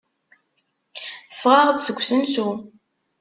Ffɣeɣ-d seg usensu.